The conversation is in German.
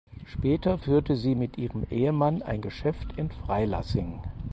Später führte sie mit ihrem Ehemann ein Geschäft in Freilassing.